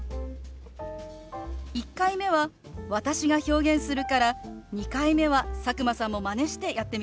１回目は私が表現するから２回目は佐久間さんもマネしてやってみてね。